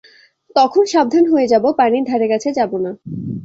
তখন সাবধান হয়ে যাব পানির ধারে কাছে যাব না।